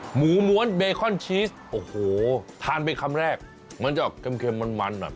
หมูม้วนเบคอนชีสโอ้โหทานไปคำแรกมันจะเค็มมันแบบ